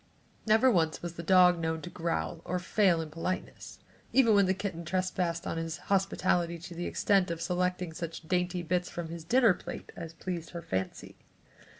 Never once was the dog known to growl or fail in politeness, even when the kitten trespassed on his hospitality to the extent of selecting such dainty bits from his dinner plate as pleased her fancy.